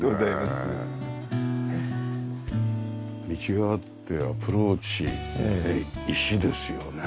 道があってアプローチ石ですよね？